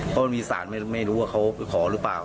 พอมีศาลไม่รู้ว่าเขาไปขอหรือเปล่า